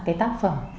cái tác phẩm